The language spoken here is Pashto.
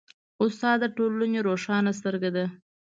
استاد د ټولنې روښانه سترګه ده.